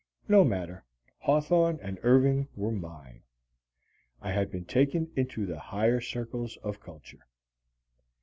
No matter: Hawthorne and Irving were mine. I had been taken into the higher circles of culture.